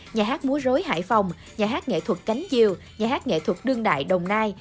nhà hát múa rối hải phòng nhà hát nghệ thuật cánh diều nhà hát nghệ thuật đương đại đồng nai